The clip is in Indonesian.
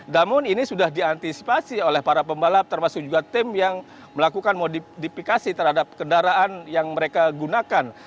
namun ini sudah diantisipasi oleh para pembalap termasuk juga tim yang melakukan modifikasi terhadap kendaraan yang mereka gunakan